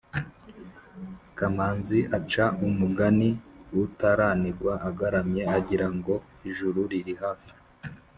kamanzi aca umugani“utaranigwa agaramye agira ngo ijuru riri hafi.